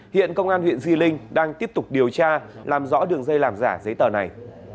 hiện công an huyện di linh đang tiếp tục điều tra làm rõ đường dây làm giả giấy tờ này